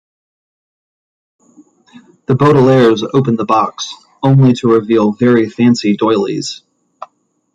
The Baudelaires open the box, only to reveal Very Fancy Doilies.